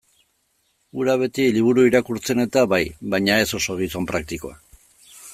Hura beti liburu irakurtzen-eta bai, baina ez oso gizon praktikoa.